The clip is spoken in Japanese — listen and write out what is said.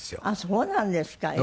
あっそうなんですか。